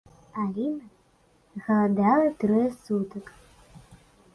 Аліна галадала трое сутак.